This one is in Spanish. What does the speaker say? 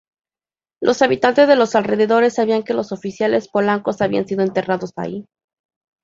Los habitantes de los alrededores sabían que los oficiales polacos habían sido enterrados allí.